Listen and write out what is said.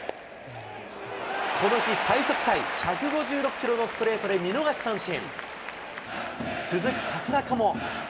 山口をこの日最速タイ１５６キロのストレートで見逃し三振。